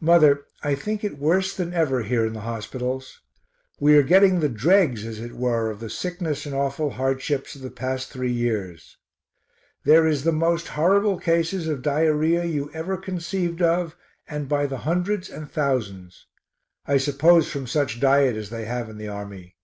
Mother, I think it worse than ever here in the hospitals. We are getting the dregs as it were of the sickness and awful hardships of the past three years. There is the most horrible cases of diarrhoea you ever conceived of and by the hundreds and thousands; I suppose from such diet as they have in the army.